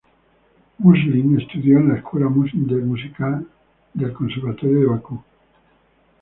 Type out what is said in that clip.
Muslim estudió en la escuela música del Conservatorio de Bakú.